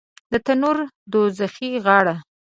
د تنور دوږخي غاړه